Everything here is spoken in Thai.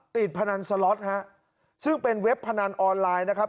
พนันสล็อตฮะซึ่งเป็นเว็บพนันออนไลน์นะครับ